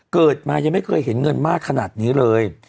เกิดมายังไม่เคยเห็นเงินมากขนาดนี้เลย